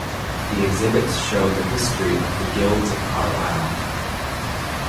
The exhibits show the history of the guilds of Carlisle.